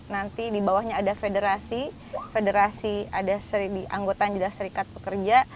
nanti di bawahnya ada federasi federasi ada di anggotaan adalah serikat pekerja